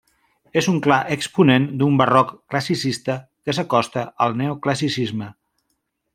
És un clar exponent d'un barroc classicista que s'acosta al neoclassicisme.